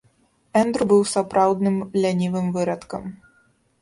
Эндру быў сапраўдным лянівым вырадкам.